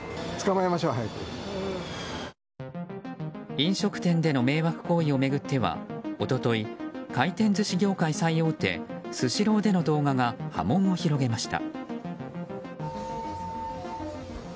飲食店での迷惑行為を巡っては一昨日、回転寿司業界最大手スシローでの動画が波紋を広げました。